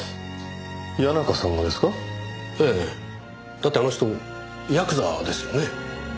だってあの人ヤクザですよね？